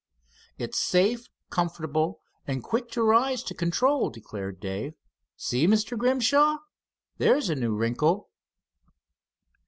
"It's safe, comfortable, and quick to rise to control," declared Dave. "See, Mr. Grimshaw, there's a new wrinkle."